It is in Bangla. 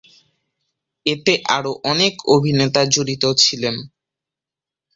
এতে আরও অনেক অভিনেতা জড়িত ছিলেন।